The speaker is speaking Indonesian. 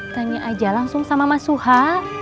tanya aja langsung sama mas suha